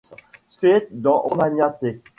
Skeat dans Romania t.